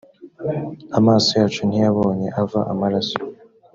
amaso yacu ntiyabonye ava amaraso